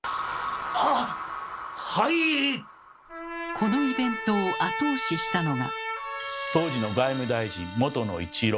このイベントを後押ししたのが。